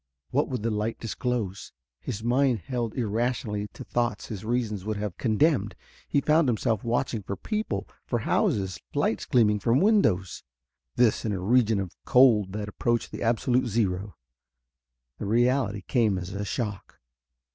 What would the light disclose? His mind held irrationally to thoughts his reason would have condemned. He found himself watching for people, for houses, lights gleaming from windows. This, in a region of cold that approached the absolute zero. The reality came as a shock.